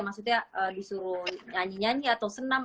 maksudnya disuruh nyanyi nyanyi atau senam